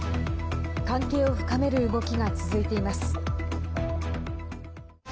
関係を深める動きが続いています。